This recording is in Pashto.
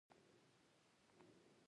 زه غواړم چې پښتو د ټکنالوژي ژبه شي.